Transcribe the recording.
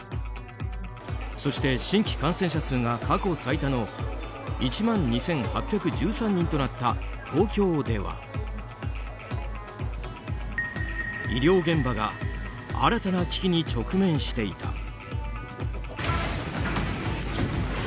そして新規感染者数が過去最多の１万２８１３人となった東京では医療現場が新たな危機に直面していた。